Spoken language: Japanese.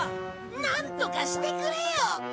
なんとかしてくれよ！